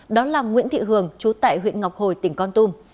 đó là nguyễn thị hường chú tại huyện ngọc hồi tỉnh con tum